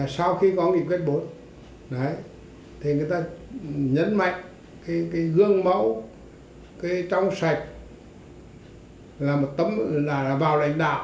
sau khi có nghị quyết bốn thì người ta nhấn mạnh cái gương mẫu trong sạch là vào lãnh đạo